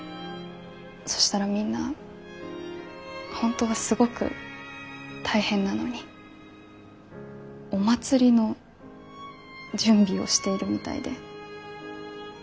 そしたらみんな本当はすごく大変なのにお祭りの準備をしているみたいで。